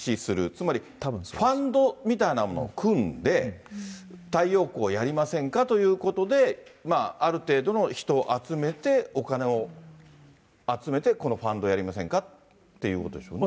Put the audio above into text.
つまりファンドみたいなものを組んで、太陽光やりませんかということで、ある程度の人を集めて、お金を集めて、このファンドやりませんかということでしょうね。